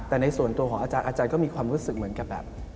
แต่ในส่วนตัวของอาจารย์ก็มีความรู้สึกเหมือนกับแบบ